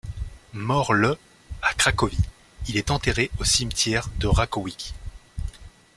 Mort le à Cracovie, il est enterré au cimetière Rakowicki.